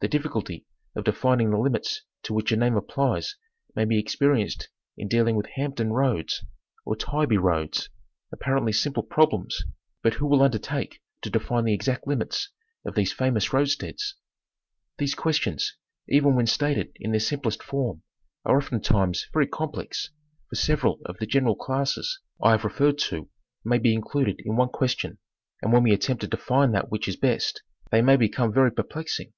The difficulty of defining the limits to which a name applies may be experienced in dealing with "Hampton Roads," or "Tybee Roads ;" apparently simple problems, but who will undertake to define the exact limits of these famous roadsteads ?; These questions, even when stated in their simplest form, are oftentimes very complex, for several of the general classes I have 264. National Geographic Magazine. referred to may be included in one question, and when we attempt to determine that which is best they become very perplexing.